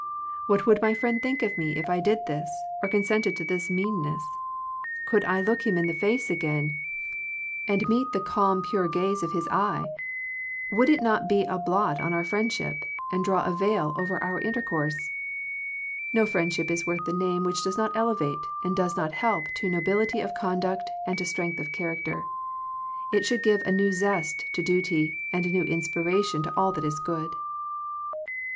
What would my friend think of me, if I did this, or consented to this meanness ? Could I look him in the face again, and meet the calm pure gaze Digitized by VjOOQIC THE FRUITS OF FRIENDSHIP of his eye ? Would it not be a blot on our friendship, and draw a veil over our intercourse ? No friendship is worth the name which does not elevate, and does not help to nobility of conduct and to strength of character. It should give a new zest to duty, and a new inspiration to all that is good.